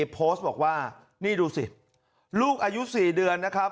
โพสต์บอกว่านี่ดูสิลูกอายุ๔เดือนนะครับ